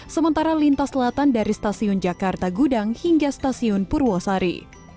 sementara lintas selatan dari stasiun jakarta gudang hingga stasiun purwosari